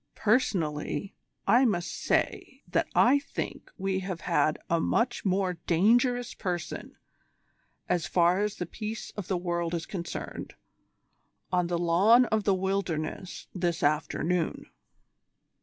Personally, I must say that I think we have had a much more dangerous person, as far as the peace of the world is concerned, on the lawn of 'The Wilderness' this afternoon."